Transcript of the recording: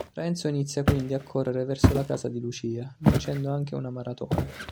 Renzo inizia quindi a correre verso la casa di Lucia, vincendo anche una maratona.